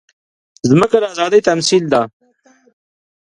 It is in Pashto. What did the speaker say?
مځکه د ازادۍ تمثیل ده.